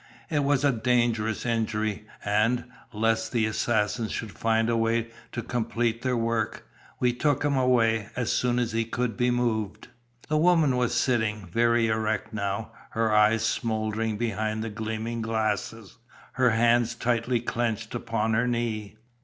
It was a dangerous injury, and, lest the assassins should find a way to complete their work, we took him away, as soon as he could be moved." The woman was sitting very erect now, her eyes smouldering behind the gleaming glasses, her hands tightly clinched upon her knee.